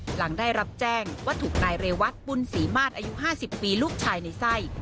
หลังได้รับแจ้งว่าถูกนายเรวัตบุญศรีมาตรอายุ๕๐ปีลูกชายในไส้